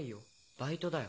バイトだよ。